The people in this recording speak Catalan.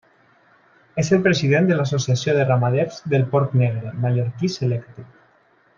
És el president de l'Associació de Ramaders del Porc Negre Mallorquí Selecte.